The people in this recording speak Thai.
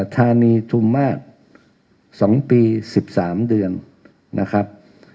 ธานีทุมมาสสองปีสิบสามเดือนนะครับ